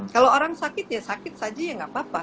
kalau orang sakit ya sakit saja ya nggak apa apa